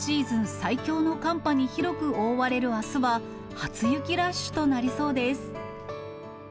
最強の寒波に広く覆われるあすは、初雪ラッシュとなりそうです。